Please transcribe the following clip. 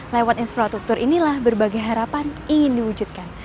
lewat infrastruktur inilah berbagai harapan ingin diwujudkan